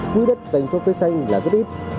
vì vậy quý đất dành cho cây xanh là rất ít